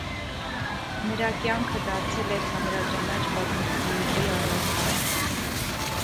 Նրա կյանքը դարձել էր հանրաճանաչ պատմությունների առարկա։